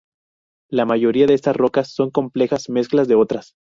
La mayoría de estas rocas son complejas mezclas de otras.